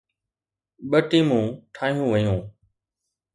ٻه ٽيمون ٺاهيون ويون